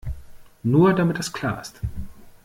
Nur, damit das klar ist.